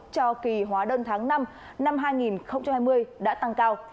cho kỳ hóa đơn tháng năm năm hai nghìn hai mươi đã tăng cao